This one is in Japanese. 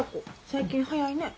最近早いね。